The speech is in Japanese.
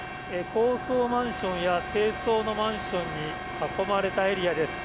高層マンションや低層のマンションに囲まれたエリアです。